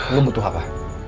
lo butuh apa